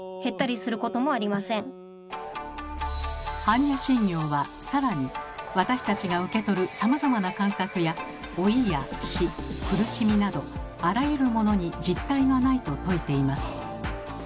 「般若心経」は更に私たちが受け取るさまざまな感覚や老いや死苦しみなどあらゆるものに実体がないと説いています。